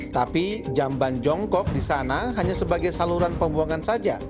tapi jamban jongkok di sana hanya sebagai saluran pembuangan saja